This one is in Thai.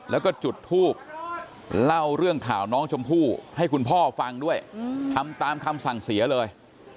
แล้วก็จุดทูบเล่าเรื่องข่าวน้องชมพู่ให้คุณพ่อฟังด้วยทำตามคำสั่งเสียเลย